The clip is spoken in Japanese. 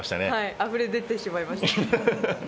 あふれ出てしまいました。